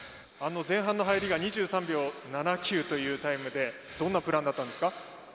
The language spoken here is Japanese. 前半の入りが２３秒７９というタイムでどんなプランだったんですか？